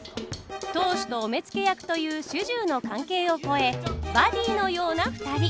当主とお目付け役という主従の関係を超えバディーのようなふたり。